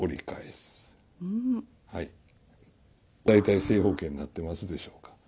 大体正方形になってますでしょうか。